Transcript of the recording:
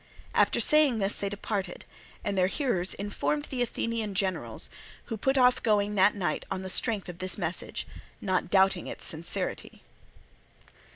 After saying this they departed; and their hearers informed the Athenian generals, who put off going for that night on the strength of this message, not doubting its sincerity.